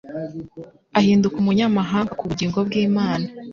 Ahinduka «umunyamahanga ku bugingo bw'Imana.»